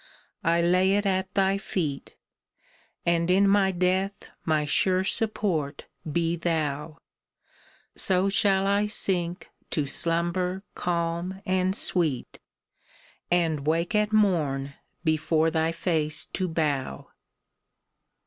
I lay it at thy feet ; And in my death my sure support be thou ; So shall I sink to slumber calm and sweet. And Avake at morn before thy face to bow